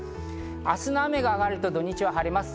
明日の雨があがると土日は晴れます。